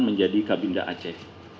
menjadi kabinda aceh